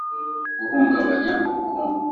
guhungabanya ubukungu